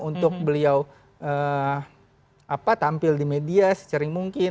untuk beliau tampil di media secering mungkin